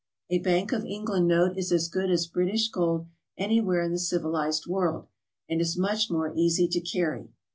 A Bank of England note is as good as British gold anywhere in the civilized world, and is much more easy to carry.